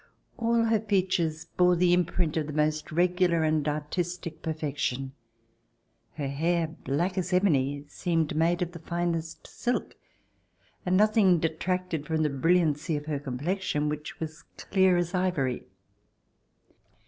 All her features bore the imprint of the most regular and artistic perfection. Her hair, black as ebony, seemed made of the finest silk, and nothing detracted from the brilliancy of her com plexion which was clear as ivory.